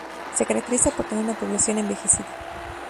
Se caracteriza por tener una población envejecida.